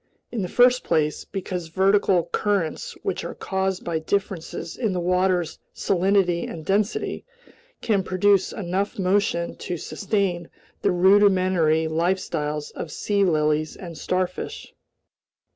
"In the first place, because vertical currents, which are caused by differences in the water's salinity and density, can produce enough motion to sustain the rudimentary lifestyles of sea lilies and starfish."